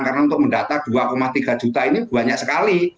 karena untuk mendata dua tiga juta ini banyak sekali